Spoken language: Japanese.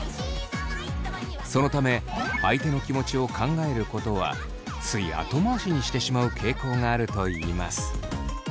そのため相手の気持ちを考えることはつい後回しにしてしまう傾向があるといいます。